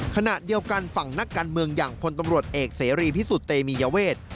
ขณะเดียวกันฝั่งนักการเมืองอย่างพลตำรวจเอกเสรีพิสุทธิ์เตมียเวท